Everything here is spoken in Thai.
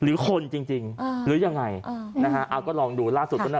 หรือคนจริงจริงหรือยังไงนะฮะเอาก็ลองดูล่าสุดก็น่า